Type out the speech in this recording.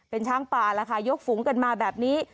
เป็นช้างป่าแล้วค่ะยกฝูงกันมาแบบนี้